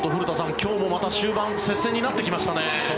今日もまた終盤接戦になってきましたね。